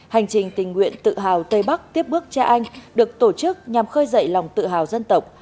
hành trình tình nguyện tự hào tây bắc tiếp bước cha anh được tổ chức nhằm khơi dậy lòng tự hào dân tộc